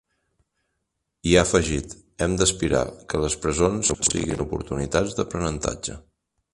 I ha afegit: Hem d’aspirar que les presons siguin oportunitats d’aprenentatge.